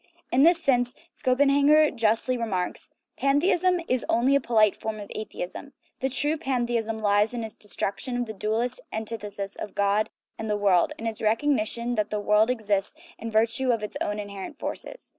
In this sense Schopenhauer justly remarks :" Pantheism is only a polite form of atheism. The truth of pantheism lies in its destruction of the dualist antithesis of God and the world, in its recog nition that the world exists in virtue of its own inher ent forces.